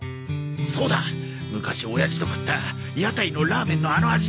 そうだ昔親父と食った屋台のラーメンのあの味だ。